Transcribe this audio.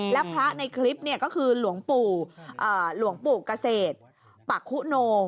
และพระในคลิปนี่ก็คือหลวงปู่กเกษตรปะคุโน